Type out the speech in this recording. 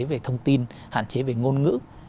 về thông tin hạn chế về ngôn ngữ